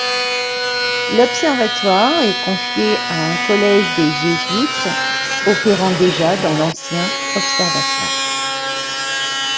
L'observatoire est confié à un collège des Jésuites opérant déjà dans l'ancien observatoire.